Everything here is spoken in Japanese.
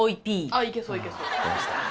あっいけそういけそう。